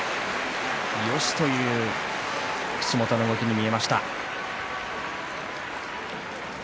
よしっという口元の動きに見えました。